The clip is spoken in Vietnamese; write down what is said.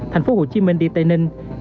tp hcm đi tây ninh